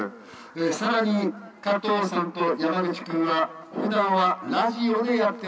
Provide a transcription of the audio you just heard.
さらに『加藤さんと山口くん』は普段はラジオでやっております。